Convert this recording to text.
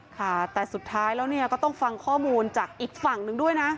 ค่ะแต่สุดท้ายแล้วเนี่ยก็ต้องฟังข้อมูลจากอีกฝั่งหนึ่งด้วยนะ